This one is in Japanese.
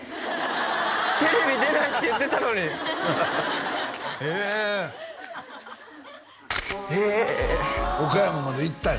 テレビ出ないって言ってたのにへえへえ岡山まで行ったんよ